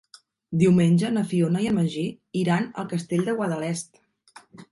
Diumenge na Fiona i en Magí iran al Castell de Guadalest.